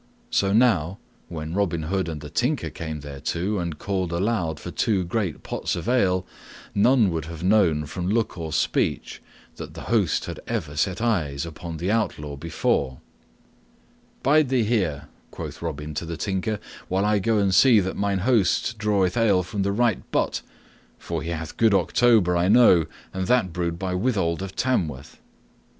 So now, when Robin Hood and the Tinker came thereto and called aloud for two great pots of ale, none would have known from look or speech that the host had ever set eyes upon the outlaw before. (2) Small sour apples. "Bide thou here," quoth Robin to the Tinker, "while I go and see that mine host draweth ale from the right butt, for he hath good October, I know, and that brewed by Withold of Tamworth."